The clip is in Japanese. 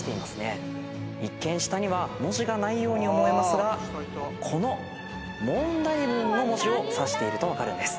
一見下には文字がないように思えますがこの問題文の文字をさしていると分かるんです。